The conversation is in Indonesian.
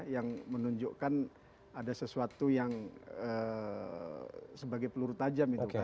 yang menunjukkan ada sesuatu yang sebagai peluru tajam itu